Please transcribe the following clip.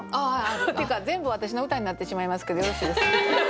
っていうか全部私の歌になってしまいますけどよろしいですか？